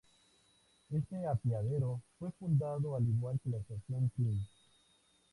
Este apeadero fue fundado al igual que la estación Km.